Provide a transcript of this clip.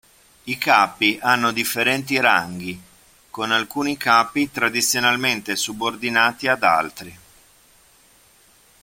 I capi hanno differenti ranghi, con alcuni capi tradizionalmente subordinati ad altri.